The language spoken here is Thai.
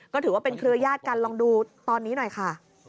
ก็ถือว่าเป็นเครือยาศกันลองดูตอนนี้หน่อยค่ะ